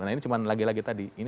nah ini cuma lagi lagi tadi